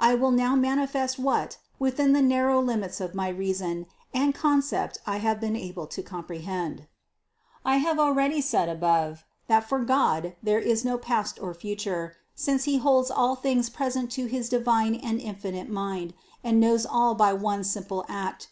I will now manifest what within the narrow limits of my reason and concept I have been able to comprehend. 192. I have already said above (No. 34) that for God there is no past or future, since He holds all things present to his divine and infinite mind and knows all by one simple act.